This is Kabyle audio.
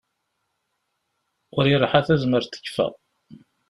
Ul irḥa tazmert tekfa.